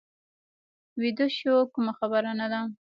بیده شو، کومه خبره نه ده.